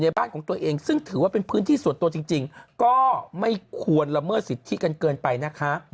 บ้านของตัวเองซึ่งถือว่าเป็นพื้นที่ส่วนตัวจริงก็ไม่ควรละเมิดสิทธิกันเกินไปนะคะ